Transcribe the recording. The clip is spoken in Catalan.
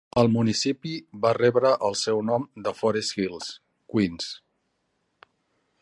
El municipi va rebre el seu nom de Forest Hills, Queens.